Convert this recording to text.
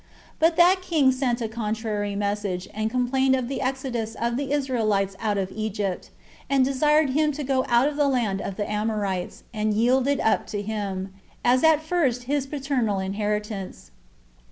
But that king sent a contrary message; and complained of the exodus of the Israelites out of Egypt, and desired him to go out of the land of the Amorites, and yield it up to him, as at first his paternal inheritance.